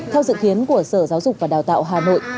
theo dự kiến của sở giáo dục và đào tạo hà nội